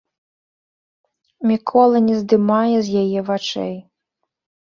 Мікола не здымае з яе вачэй.